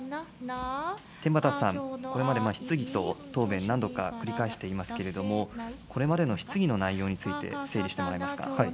天畠さん、これまで質疑と答弁、何度か繰り返していますけれども、これまでの質疑の内容について、整理してもらえますか。